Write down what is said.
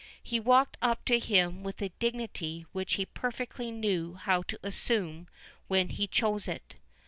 He walked up to him with the dignity which he perfectly knew how to assume when he chose it.